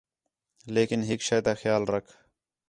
لیکن ہِک شے تا خیال رکھ